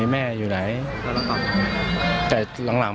แม่อยู่ไหนแต่หลัง